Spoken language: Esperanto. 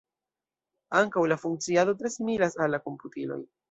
Ankaŭ la funkciado tre similas al la komputiloj.